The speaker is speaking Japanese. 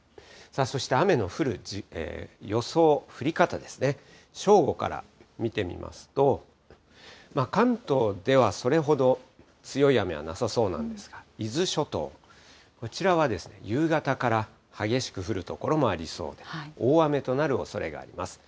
そして雨の降る予想、降り方ですね、正午から見てみますと、関東ではそれほど強い雨はなさそうなんですが、伊豆諸島、こちらはですね、夕方から激しく降る所もありそうで、大雨となるおそれがあります。